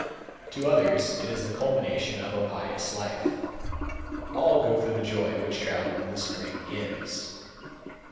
To others it is the culmination of a pious life. All go for the joy which travel in the spring gives.